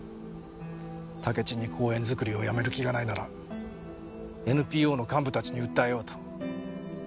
竹地に公園造りをやめる気がないならＮＰＯの幹部たちに訴えようと。